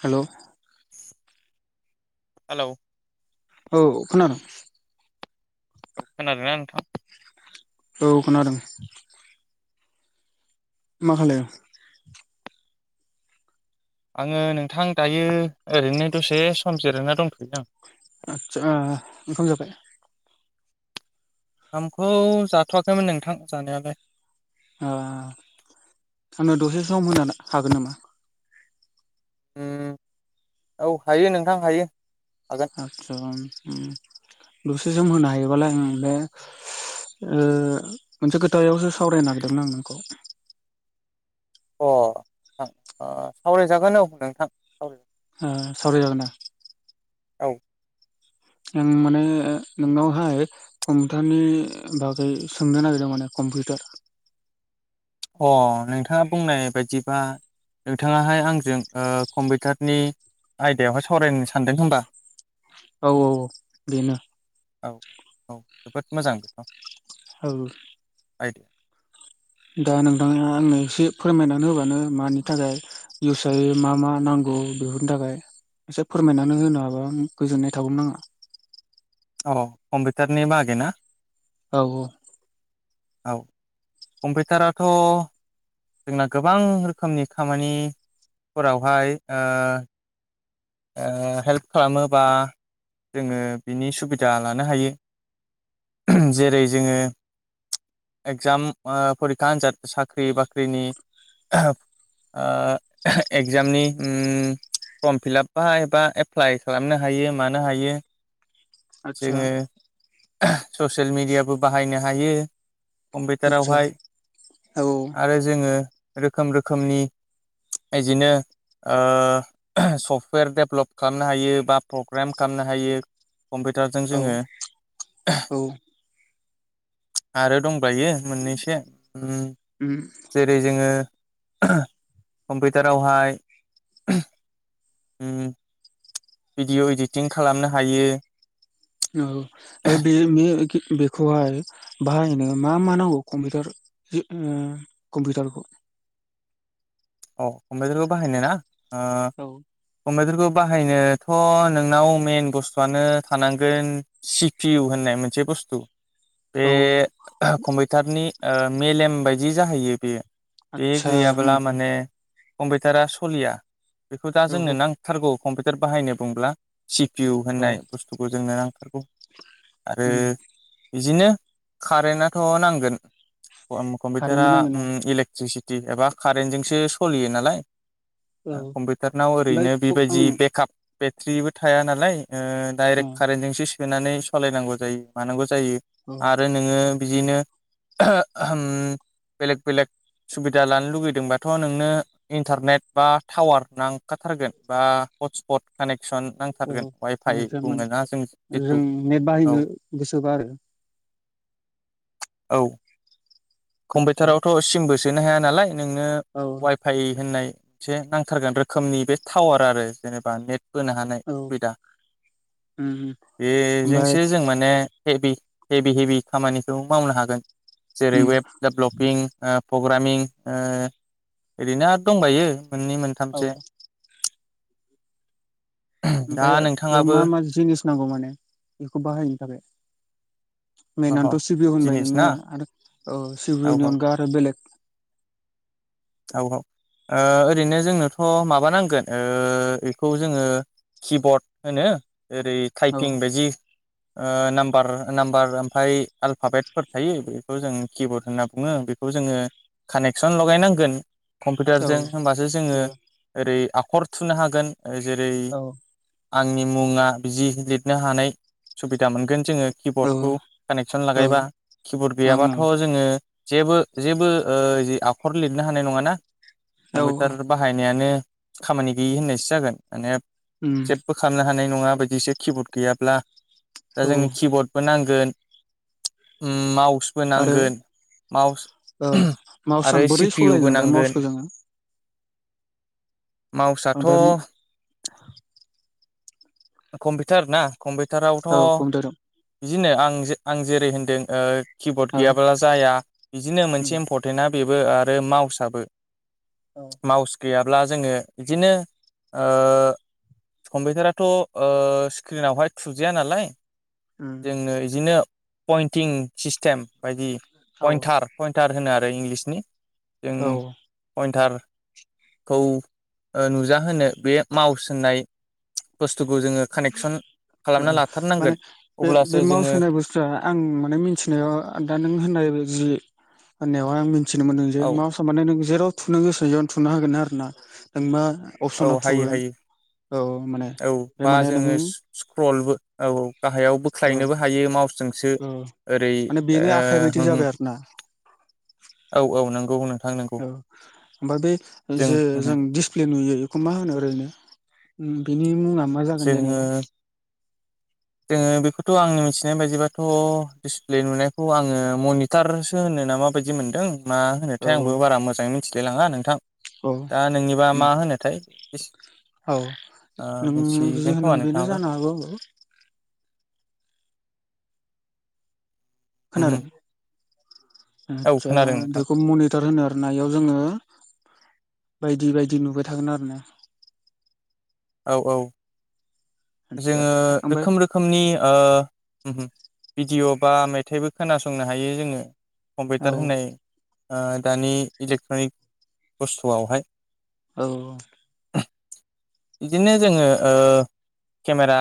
हेल' [inaudible] hello औ खोनादों? खोनादोंना नोंथां? औ खोनादों। मा खालायदों? आङो नोंथां दायो ओरैनो दसे सम जिरायना दंथ'यो आं आचसा ओमखाम जाबाय? ओमखौ जाथ'वाखैमोन नोंथां जानायालाय आंनो दसे सम होनो हागोन नामा? उम औ हायो नोंथां हायो हागोन अ आचसा उ दुसे जोम होनो हायोबालाय आं ओ मोनसे खोथायावसो सावरायनो नागिरदोंमोन आं नोंखौ अ सावरायजागोन औ नोंथां सावराय ओ सावरायजागोन औ आं माने नोंनावहाय कम्पिउटारनि बागै सोंनो नागिरदों माने कम्पिउटार [inaudible] अ नोंथाङा बुंनाय बायदिबा नोंथाङाहाय आंजों ओ कम्पिउटारनि आयदायावहाय सावरायनो सानदों होमबा? औ औ बेनो औ औ औ जोबोद मोजां औ आइ दा नोंथाङा आंनो एसे फोरमायनानै होबानो मानि थाखाय इउस जायो मा मा नांगौ बेफोरनि थाखाय एसे फोरमायनानै होनो हाबा गोजोननाय थागौमोन आङो अ कम्पिउटारनि बागैना? औ औ कम्पिउटाराथ' जोंना गोबां रोखोमनि खामानिफोरावहाय ओ ओ हेल्प खालामो बा जोङो बिनि सुबिदा लानो हायो उह जेरै जोङो एगजाम ओ फरिखा आन्जाद साख्रि बाख्रिनि ओ ओम एगजामनि उम फर्म फिलाप बा एबा एप्लाइ खालामनो हायो मानो हायो आदसा जोङो ससियेल मिडियाबो बाहायनो हायो आदसा कम्पिउटारावहाय औ आरो जोङो रोखोम रोखोमनि इदिनो ओ सफ सुकुवेर डेभलप खालामनो हायो बा प्रग्रेम खालामनो हायो कम्पिउटारजों औ जोङो औ आरो दंबायो मोननैसो ओम उम जेरै जोङो ओह कम्पिउटारावहाय उ भिडिअ इडिटिं खालामनो हायो औ ओमफ्राय बे बेखौहाय बाहायनो मा मा नांगौ कम्पिउटार जि ओ कम्पिउटारखौ। औ कम्पिउटारखौ बाहायनो ना ओ औ कम्पिउटारखौ बाहायनोथ' नोंनाव मइेन बुस्थुआनो थानांगोन सि पि इउ होन नाय मोनसे बुस्थु। बे औ कम्पिउटारनि मेलेम बायदि जाहैयो बेयो। बे आदसा उम गैयाब्ला माने कम्पिउटारा सलिया बेखौ दा औ जोंनो नांथारगौ कम्पिउटार बाहायनो बुंब्ला। सि पि इउ औ होननाय बुस्थुखौ जोंनो नांथारगौ आरो उम बिदिनो कारेन्टनाथ' नांगोन कम्पिउटारा कारेन्टबो नांगोन ना ओम इलेक्ट्रिसिट टि एबा कारेन्टजोंसो सलियो नालाय। औ कम्पिउटारनाव ओमफ्राय ओरैनो बेबायदि आं बेकआप बेट्रिबो थाया नालाय। ओ डायरेक्ट कारेन्टजोंसो सोनानै सालायनांगौ जायो मानांगौ जायो औ आरो नोङो बिदिनो ओम बेलेक बेलेक सुबिदा लानो लुगैदोंबाथ' नों नो इन्टारनेट बा टावर नांखा थारगोन बा हसपट खानेकट सन औ नांथारगोन वाइफाइ कानेक्सन माने बुङोना जों जिथु नेट औ। बाहायनो गोसोबा आरो औ। आदसा कम्पिउटारावथ' सिमबो सोनो हाया नालाय नोंनो औ वाइफाइ होननाय एसे नांथारगोन रोखोमनि बे टावार आरो जेनेबा नेट होनो हानाय औ सुबिदा उम ओमफ्राय बेजोंसो जों माने हेभि हेभि हेभि खामानिखौ मावनो हागोन जेरै उम वेब डेभ्लपिं ओ प्रग्रामिं ओ ओरैनो आरो दंबायो मोननै औ मोनथामसो। दा ओमफ्राय बेयाव नोंथाङाबो मा मा जिनिस नांगौ माने बेखौ बाहायनो थाखाय? अह मेनानोथ' सि बि इउ होनबाय जिनिस ना नोङो आरो सि बि औ इउनि अनगा आरो बेलेग [inaudible] औ औ ओ ओरैनो जोंनोथ' माबा नांगोन ओ इखौ जोङो किबर्ड होनो ओरै औ टाइपिं बायदि ओ नाम्बार नाम्बार ओमफ्राय आल्फापेटफोर थायो बेखौ जों किबर्ड होननाङो बेखौ जोङो कानेक्सन लगायनां थांगोन। औ कम्पिउटारजों होमबासो जोङो औ ओरै आखर थुनो हागोन जेरै औ आंनि मुङा बिदि लिरनो हानाय सुबिदा मोनगोन जोङो औ किबर्डखौ। कानेक्सन औ लागायबा किबर्ड ओं गैयाबाथ' ओं जोङो जेबो जेबो ओ आखर लिरनो हानाय नङाना। औ कम्पिउटार बाहायनायानो खामानि गैयि होननायसो जागोन माने उम जेबबो खालामनो हानाय नङा बादिसो किबर्ड गैयाब्ला। दा औ जोंनि किबर्डबो नांगोन ओम माउसबो आरो नांगोन। माउस ओ माउसआ आरो सि बोरै पि इउ सलायगोन बो ओमफ्राय नांगोन। माउसखौ जोङो मावसाथ' ओमफ्राय [inaudible] कम्पिउटार ना कम्पिउटारावथ' औ कम्पिउटाराव बिदिनो आं आं जेरै होनदों ओ किबर्ड ओ गैयाब्ला जाया बिदिनो उम मोनसे इम्परटेन्टआ बेबो आरो माउसआबो औ माउस गैयाब्ला जोङो बिदिनो ओ कम्पिउटाराथ' ओ स्क्रिनावहाय थुजाया नालाय उम जोंनो इदिनो पइन्टिं सिस्टेम बायदि औ पइन्टार पइन्टार होनो आरो इंलिसनि। जों औ पइन्टार खौ नुजाहोनो बे माउस होननाय बुस कानेक्सन माने लाथारनांगोन बे बे अब्लासो माउस जोङो होनाय बुस्थुआ आं माने मिथिनायाव दा नों होननाय [unintelligible] होननायावहाय आं मिथिनो मोनदों जे औ माउसआ माने नों जेराव थुनो गोसो बेयावनो थुनो हागोन आरो ना जेनेबा औ अपसनाव हायो थुगोन हायो औ माने औ बे बा माने नों जोङो स्क्रलबो औ गाहायाव औ बोख्लायनोबो हायो माउसजोंसो। औ ओरै माने बेनो आखाइ बायदि ओ उम उम जाबाय आरो ना औ औ नंगौ नोंथां। नंगौ औ ओमफाय बे जे जों दिसप्लेनि मा होनो ओरैनो बेनि मुङा मा जागोन ओरैनो जोङो जेनेबा जोङो बेखौथ' आंनि मिथिनाय बायदिबाथ' डिसप्ले नुनायखौ आङो मनिटारसो होनो ना माबायदि मोनदों। मा औ होनोथाय औ आंबो बारा मोजाङै मिथिलाय लाङा नोंथां औ दा नोंनिबा उम मा होनोथाय? औ ओ नों जि मिथिगोन होनदों खोमा बेनो नोंथाङाबो जानो हागौ आरो उमहो खोनादों? औ आतसा खोनादों नोंथां बेखौ मनिटर होनो आरनायाव जोङो बायदि बायदि नुबाय थागोन आरो ना। औ औ। आदसा जोङो ओमफ्राय रोखोम रोखोमनि ओ भिडिअ' बा मेथाइबो खोनासंनो हायो जोङो औ कम्पिउटार होनाय ओ दानि इलेक्ट्रनिक बुस्थुआवहाय औ। बिदिनो जोङो ओ केमेरा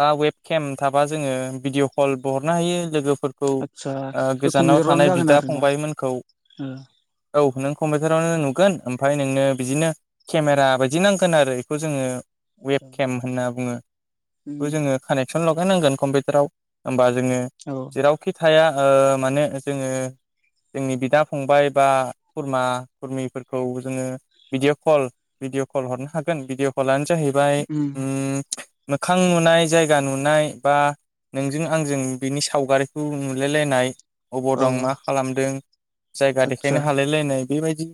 बा वेब केम थाबा जोङो भिडिअ कलबो हरनो हायो लोगो फोरखौ आदसा ओ बे गोजानाव कम्पिउटारावनो थानाय जागोन बिदा आरो ना फंबायमोनखौ ओ औ नों कम्पिउटारावनो नुगोन ओमफ्राय नोंनो बिदिनो केमेरा बायदि नांगोन आरो बेखौ जोङो वेब औ केम होनना बुङो। उम बेखौ जोङो कानेक्सन लगायनांगोन कम्पिउटाराव होमबा जोङो औ जेरावखि थाया ओ माने जोङो जोंनि बिदा फंबाय बा खुरमा खुरमिफोरखौ जोङो भिदिअ' कल भिडिअ कल हरनो हागोन भिदिअ कलानो जाहैबाय उम मोखां नुनाय जायगा नुनाय बा नोंजों आंजों बिनि सावगारिखौ नुलायलायनाय अबाव दं औ मा खालामदों जायगा आदसा देखायनो हालाय लायनाय बेबायदि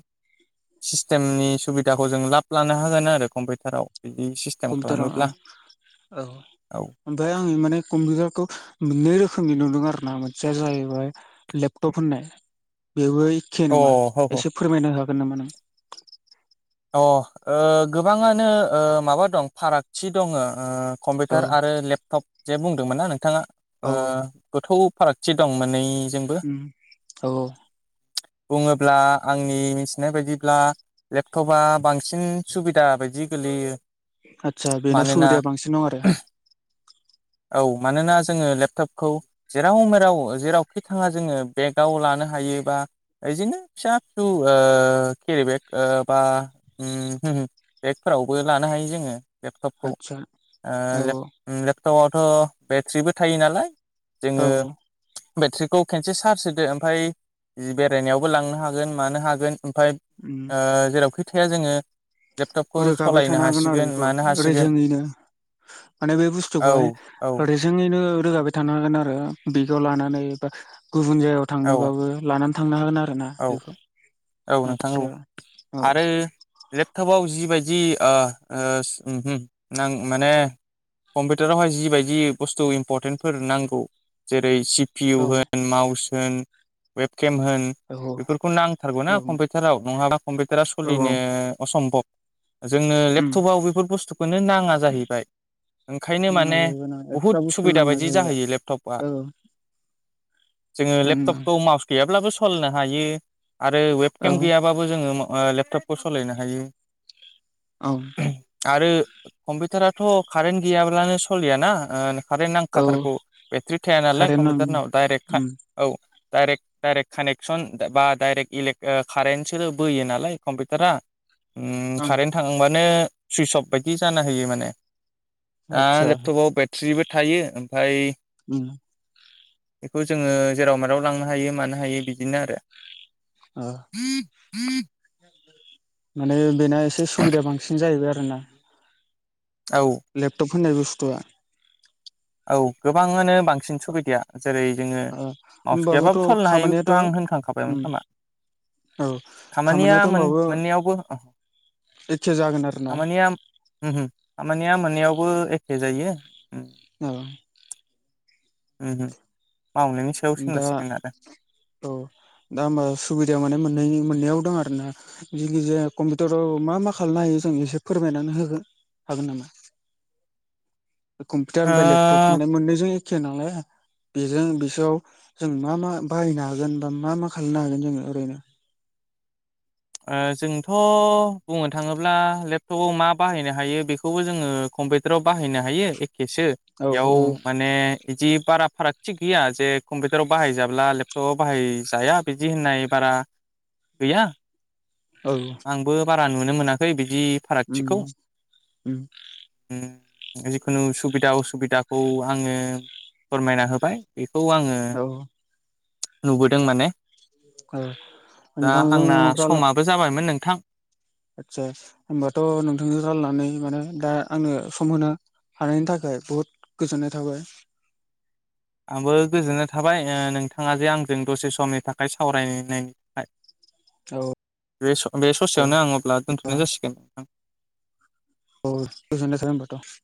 सिस्टेमनि सुबिदाखौ जों लाब लानो हागोन आरो कम्पिउटाराव। बिदि सिस्टेम कम्पिउटाराव खालामोब्ला औ औ ओमफ्राय आङो माने कम्पिउटारखौ मोननै रोखोमनि नुनो मोनो आरोना मोनसेया जाहैबाय लेपटप होननाय बेवहाय अ जेनेबा हो हो एसे फोरमायना होनो हागोन नामा नों? औ ओ गोबाङानो ओ माबा दं फारागथि दङ। औ कम्पिउटार आरो लेपटप जे बुंदोंमोन ना नोंथाङा ओ औ गोथौ फारागथि दं मानै उम औ औ बुङोब्ला आंनि मिथिनाय बायदिब्ला एथबा बांसिन सुबिदा बायदि गोलैयो आतसा बेनाव मानोना सुबिदाया बांसिन दं आरो औ मानोना जोङो लेपटपखौ जेराव मेराव जेरावखि थाङा जोङो बेगाव लानो हायो बा बिदिनो फिसा फिसौ आ केरि बेग ओ बा उम हुम बेगफोरावबो लानो हायो जोङो लेपटपखौ आदसा आ औ लेप उम लेप - तपआवथ बेट्रिबो थायो नालाय औ जोङो बेट्रिखौ खेनसे चार्ज होदो ओमफ्राय बेरायनायावबो लांनो हागोन मानो हागोन ओमफ्राय ओ जेरावखि थाया जोङो लेपटपखौ रोगाबाय सालायनो थानो हागोन आरो हासिगोन बेखौ मानो हासिगोन रेजेङैनो माने बे औ बुस्थुखौहाय औ ओरैजोङैनो रोगाबाय थानो हागोन आरो बिगाव लानानै बा गुबुन जायगायाव औ थांनोबाबो लानानै थांनो हागोन आरो ना औ बेखौ औ नोंथां आदसा औ आरो लेपटपाव जिबाय - जि आ उम हुम नां माने कम्पिउटारावहाय जिबायदि बुस्थु इम्परटेन्टफोर नांगौ जेरै सि- - पि औ इउ होन माउस होन वेबकेम होन औ बेफोरखौ नांथारगौना औ कम्पिउटाराव नङाबा कम्पिउटारा औ औ सलिनो असम्भब जोंनो उम लेपटपाव बेफोर बुस्थुखौनो नाङा जाहैबाय। ओंखायनो नाङा माने जाहैबाय ना एक्सट्रा बुहुद बुस्थु सुबिदा नांला बायदि जाहैबाय जाहैयो लेपटपआ। औ जोङो ओं लेपटपखौ माउस गैयाब्लाबो सालायनो हायो। आरो औ वेबकेम गैयाबाबो जोङो लेपटपखौ सालायनो हायो। औ आरो कम्पिउटाराथ कारेन्ट गैयाब्लानो सोलियाना? आ कारेन्ट औ नांखाथारगौ बेट्रि थाया नालाय कारेन्ट ओं कम्पिउटारनाव डाइरेक्ट का उम औ दायरेक हायरेक खानेक - -सन बा डाइरेक्ट इलेक आ कारेन्टसो बोयो नालाय कम्पिउटारा उम ओं कारेन्ट थांबानो सुइस अफ बायदि जाना होयो माने आ आदसा लेपटपाव बेट्रिबो थायो ओमफ्राय उम बेखौ जोङो जेराव मेराव लांनो हायो मानो हायो बिदिनो आरो। अ [inaudible] माने बेना एसे सुबिदाया बांसिन जाहैबाय आरोना। औ होननाय बुस्थुआ औ गोबाङानो बांसिन सुबिदाया जेरै जोङो ओ माउस होमबाबोथ' गैयाबाबो सलिनो हायो बेखौथ खामानियाथ' आं होनखांखाबायमोन उम खोमा? औ खामानिया खामानियाथ' मोन होमबाबो मोननैयावबो एखे जागोन - आरोना खामानिया उमहुम खामानिया मोनैयावबो एखे जायो उम । औ उम हुम दा औ दा होमबा सुबिदायाव माने मोननैनि मोन - -नैयाव दं आरोना जिखिजाया कम्पिउटाराव मा मा खालामनो हायो जों एसे फोरमायनानै हो हो। हागोन नामा? कम्पिउटार ओ ओमफ्राय लेपटप माने मोननैजों एखे नालाय बेजों बिसोरआव जों मा मा बाहायनो हागोन बा मा मा खालामनो हागोन? जोङो ओरैनो ओ जोंथ बुंनो थाङोब्ला लेपटपआव मा बाहायनो हायो बेखौबो जोङो कम्पिउटाराव बाहायनो हायो एखेसो औ बेयाव औ माने बिदि बारा फाराग थिग गैया, जे कम्पिउटाराव बाहायजाब्ला लेपटपाव बाहायजाया बिदि होननाय बारा गैया औ आंबो बारा नुनो मोनाखै बिदि उम फारागथिखौ उम । हम जिखुनु सुबिदा असुबिदाखौ आङो फोरमायना होबाय। बे खौ आङो औ नुबोदों माने। ओ नोंथांजों रालाय ओमफ्राय जाबायमोन नोंथां। आदसा होबाथ' नोंथांजों रायलायनानै माने दा आंनो सम मोनो। हानायनि थाखाय बहुद गोजोननाय थाबाय। आंबो जों दसे समनि थाखाय सावरायनायनि थाखाय। औ बे बे औ ससेयावनो आं अब्ला दोनथ'नाय जासिगोन नोंथां। औ गोजोन्नाय थाबाय होनबाथ'।